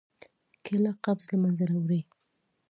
کېله قبض له منځه وړي.